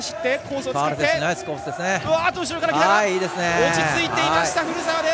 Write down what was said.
落ち着いていました、古澤。